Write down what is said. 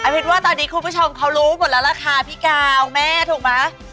คิดว่าตอนนี้คุณผู้ชมเขารู้หมดแล้วล่ะค่ะพี่กาวแม่ถูกไหม